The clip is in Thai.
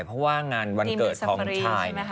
เอาแค่มาแรงแตะ